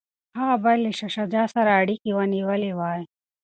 هغه باید له شاه شجاع سره اړیکي ونیولي وای.